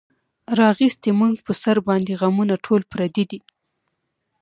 راغیستې مونږ پۀ سر باندې غمونه ټول پردي دي